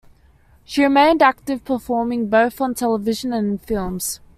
She remained active performing both on television and in films.